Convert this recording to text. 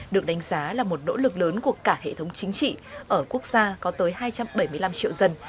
được đánh giá là một nỗ lực lớn của cả hệ thống chính trị ở quốc gia có tới hai trăm bảy mươi năm triệu dân